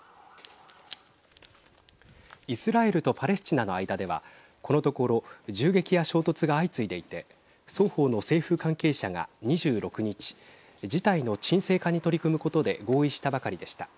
イスラエルとパレスチナの間ではこのところ銃撃や衝突が相次いでいて双方の政府関係者が２６日事態の鎮静化に取り組むことで合意したばかりでした。